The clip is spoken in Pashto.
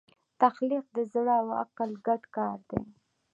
تخلیق د زړه او عقل ګډ کار دی.